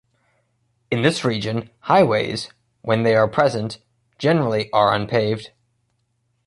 In this region, highways, when they are present, generally are unpaved.